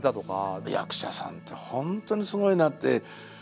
役者さんって本当にすごいなって。